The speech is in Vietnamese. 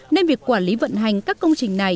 nên việc quản lý vận hành các công trình này